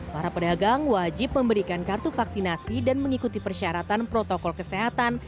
para pedagang wajib memberikan kartu vaksinasi dan mengikuti persyaratan protokol kesehatan